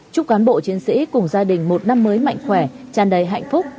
chúc cán bộ chiến sĩ cùng gia đình một năm mới mạnh khỏe tràn đầy hạnh phúc